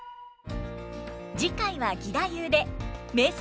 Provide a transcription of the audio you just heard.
次回は義太夫で名作